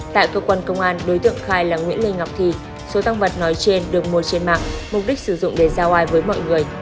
tại cơ quan công an đối tượng khai là nguyễn lê ngọc thị số tăng vật nói trên được mua trên mạng mục đích sử dụng để ra ngoài với mọi người